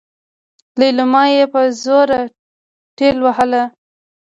ليلما يې په زوره ټېلوهله.